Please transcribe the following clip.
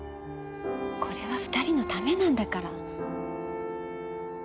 これは２人のためなんだから。